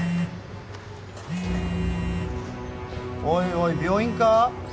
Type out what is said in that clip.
おいおい病院か？